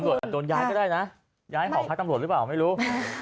อาจจะโดนย้ายก็ได้นะย้ายหอพักตำรวจหรือเปล่าไม่รู้